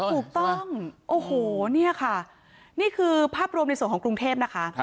ถูกต้องโอ้โหเนี่ยค่ะนี่คือภาพรวมในส่วนของกรุงเทพนะคะ